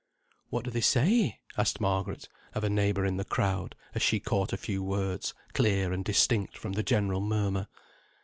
"What do they say?" asked Margaret, of a neighbour in the crowd, as she caught a few words, clear and distinct, from the general murmur.